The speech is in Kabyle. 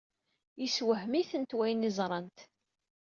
Yessewhem-itent wayen i ẓrant.